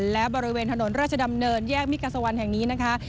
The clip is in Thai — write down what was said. และบริเวณถนนราชดำเนินแยกมิกาสวรรค์แห่งนี้นะคะ